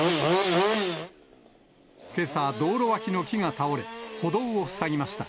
けさ、道路脇の木が倒れ、歩道を塞ぎました。